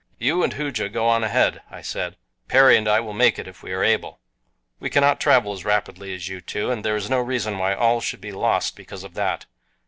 "You and Hooja go on ahead," I said. "Perry and I will make it if we are able. We cannot travel as rapidly as you two, and there is no reason why all should be lost because of that.